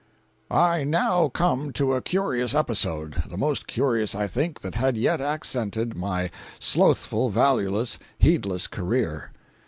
I now come to a curious episode—the most curious, I think, that had yet accented my slothful, valueless, heedless career.